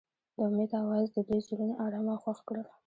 د امید اواز د دوی زړونه ارامه او خوښ کړل.